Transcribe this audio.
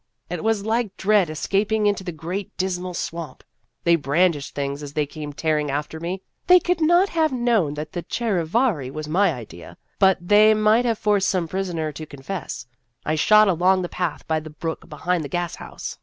It was like Dred escaping into the great Dismal Swamp. They brandished things as they came tearing after me. They could not have known that the charivari was my idea, but they might have forced some prisoner to confess. I shot along the path by the Brook, behind the gas house.